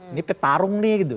ini petarung nih gitu